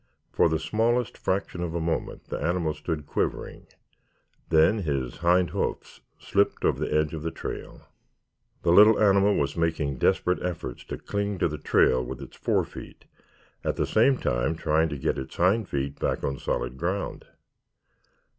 For the smallest fraction of a moment the animal stood quivering, then his hind hoofs slipped over the edge of the trail. The little animal was making desperate efforts to cling to the trail with its fore feet, at the same time trying to get its hind feet back on solid ground.